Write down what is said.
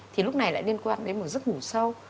thì lúc này lại liên quan đến một giấc ngủ sâu